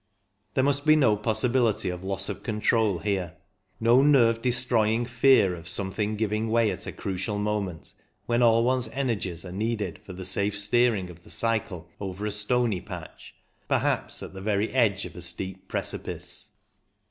There must be no possibility of loss of control here, no nerve destroying fear of something giving way at a crucial moment, when all one's energies are needed for the safe steering of the cycle over a stony patch, perhaps at the very edge of a steep precipice.